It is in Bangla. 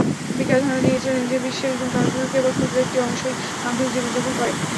বেকার ধারণা দিয়েছিলেন যে বিশ্বের জনসংখ্যার কেবল ক্ষুদ্র একটি অংশই কাঙ্ক্ষিত জীবনযাপন করে।